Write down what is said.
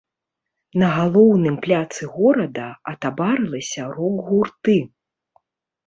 На галоўным пляцы горада атабарылася рок-гурты.